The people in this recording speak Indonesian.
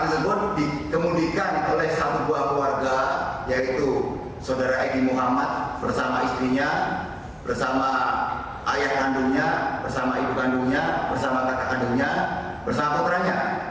tersebut dikemudikan oleh satu buah keluarga yaitu saudara egy muhammad bersama istrinya bersama ayah kandungnya bersama ibu kandungnya bersama kakak kandungnya bersama putranya